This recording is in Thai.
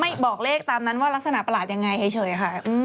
บอกเลขตามนั้นว่ารักษณประหลาดยังไงเฉยค่ะ